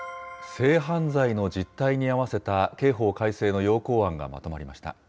性犯罪の実態に合わせた刑法改正の要綱案がまとまりました。